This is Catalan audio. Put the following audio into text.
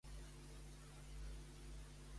Quan és que va ser el mandat d'aquesta deïtat?